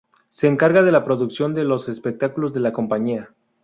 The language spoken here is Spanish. Se encarga de la producción de los espectáculos de la Compañía.